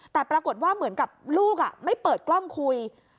แต่ปรากฏว่าเหมือนกับลูกไม่เปิดกล้องคุย